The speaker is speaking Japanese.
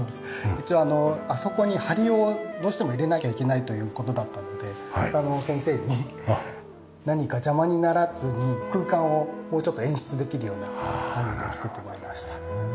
一応あそこに梁をどうしても入れなきゃいけないという事だったので先生に何か邪魔にならずに空間をもうちょっと演出できるような感じで造ってもらいました。